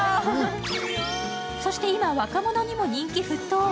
そして今、若者にも人気沸騰。